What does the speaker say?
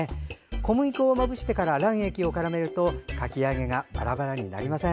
小麦粉をまぶしてから卵液をからめるとかき揚げがバラバラになりません。